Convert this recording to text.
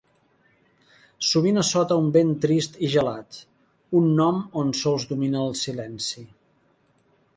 Sovint assota un vent trist i gelat; un nom on sols domina el silenci.